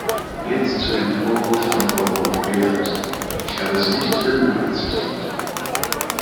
Jetzt zu dem Vorwurf von Frau Roth-Behrendt. Ich habe Sie nicht der Lüge bezichtigt.